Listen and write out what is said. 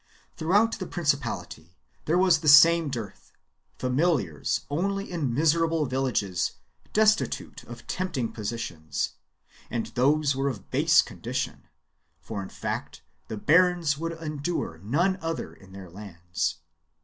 Throughout the principality there was the same dearth — familiars only in miserable villages, destitute of tempting positions, and those were of base condition, for in fact the barons would endure none other in their lands.